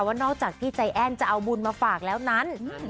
ว่านอกจากพี่ใจแอ้นจะเอาบุญมาฝากแล้วนั้น